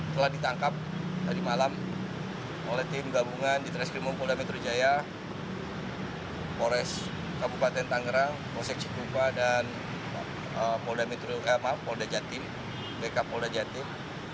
telah ditangkap tadi malam oleh tim gabungan di transkrimum polda metro jaya pores kabupaten tangerang tosek cikupa dan polda metro eh maaf polda jatim bk polda jatim